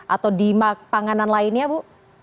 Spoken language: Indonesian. atau di panganan lainnya bu